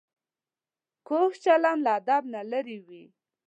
کوږ چلند له ادب نه لرې وي